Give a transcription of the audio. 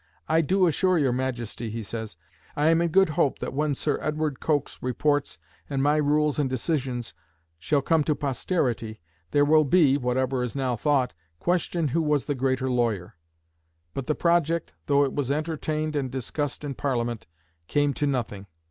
"I do assure your Majesty," he says, "I am in good hope that when Sir Edward Coke's Reports and my Rules and Decisions shall come to posterity, there will be (whatever is now thought) question who was the greater lawyer." But the project, though it was entertained and discussed in Parliament, came to nothing.